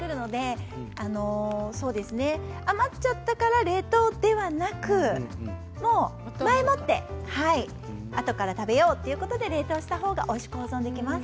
そうですね余っちゃったから冷凍ではなくもう前もってあとから食べようということで冷凍したほうがおいしく保存できます。